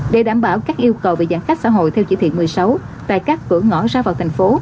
để đảm bảo các yêu cầu về giãn cách xã hội theo chỉ thị một mươi sáu tại các cửa ngõ ra vào thành phố